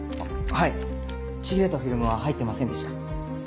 はいちぎれたフィルムは入ってませんでした。